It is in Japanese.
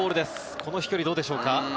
この飛距離どうでしょうか？